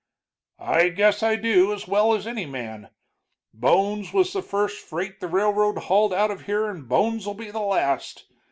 "I guess I do, as well as any man. Bones was the first freight the railroad hauled out of here, and bones'll be the last.